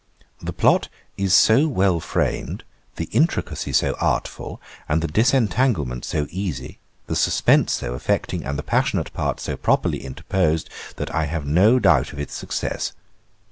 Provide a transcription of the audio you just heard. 'The plot is so well framed, the intricacy so artful, and the disentanglement so easy, the suspense so affecting, and the passionate parts so properly interposed, that I have no doubt of its success.